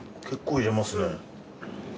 結構入れますね。